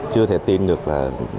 chưa thể tin được là